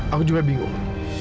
aku juga bingung